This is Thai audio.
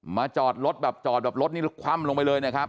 มาจอดรถแบบนี้คว่ำลงไปเลย